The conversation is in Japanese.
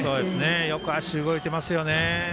よく足動いていますよね。